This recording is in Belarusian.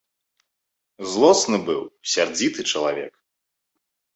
Злосны быў, сярдзіты чалавек.